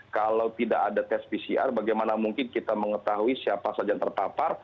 kalau tidak ada tes pcr bagaimana mungkin kita mengetahui siapa saja yang terpapar